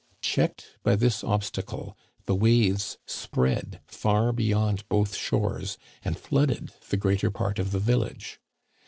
Checked by this obstacle, the waves spread far beyond both shores and flooded the greater part of the village.